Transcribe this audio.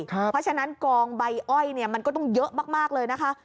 เพราะฉะนั้นกองใบอ้อยมันก็ต้องเยอะมากเลยนะคะ